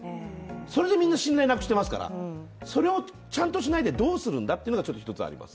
それでみんな信頼なくしてますからそれをちゃんとしないでどうするんだというのがちょっと一つあります。